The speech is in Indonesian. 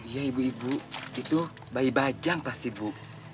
iya ibu ibu itu bayi bajang pasti bu